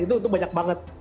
itu banyak banget